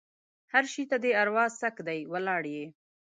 هر شي ته دې اروا څک دی؛ ولاړ يې.